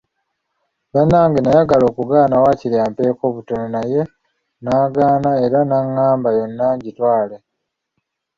Bannange nayagala okugaana waakiri ampeeko butono naye n'agaana era n'agamba yonna ngitwale.